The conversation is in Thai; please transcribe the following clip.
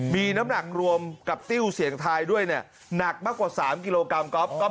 มีน้ำหนักรวมกับติ้วเสียงทายด้วยเนี่ยหนักมากกว่า๓กิโลกรัมก๊อฟ